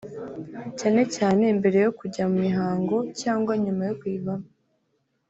cyane cyane mbere yo kujya mu mihango cyangwa nyuma yo kuyivamo